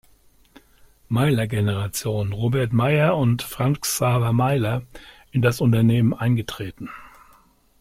Meiller-Generation, Robert Meyer und Franz Xaver Meiller, in das Unternehmen eingetreten.